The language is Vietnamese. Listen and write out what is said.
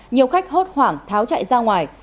nhiều khách hốt hoảng tháo chạy ra ngoài